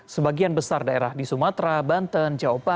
sebagian besar daerah di sumatera banten jawa tenggara dan jawa tenggara